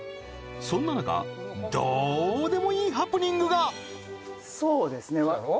そんな中どうでもいいハプニングがそうですねそやろ？